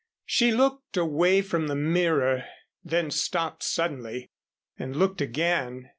She looked away from the mirror, then stopped suddenly and looked again.